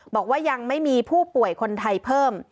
บอกว่ายังไม่มีผู้ป่วยคนไทยเพิ่ม